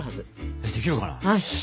えっできるかな？